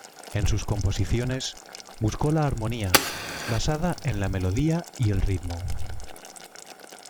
En sus composiciones buscó la armonía, basada en la melodía y el ritmo.